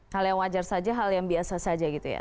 hal yang wajar saja hal yang biasa saja gitu ya